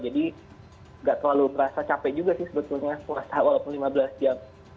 jadi nggak terlalu berasa capek juga sih sebetulnya puasa walaupun lima belas jam